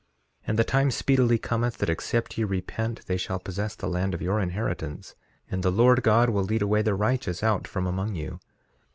3:4 And the time speedily cometh, that except ye repent they shall possess the land of your inheritance, and the Lord God will lead away the righteous out from among you.